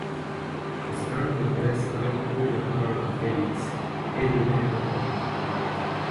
Oscar n'adresse alors plus la parole à Felix et le met à la porte.